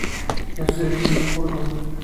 Es de origen kurdo.